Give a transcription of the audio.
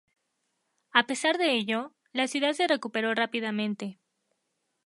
A pesar de ello, la ciudad se recuperó rápidamente.